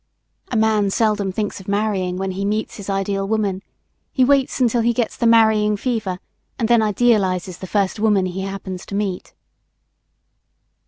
A man seldom thinks of marrying when he meets his ideal woman; he waits until he gets the marrying fever and then idealizes the first woman he happens to meet.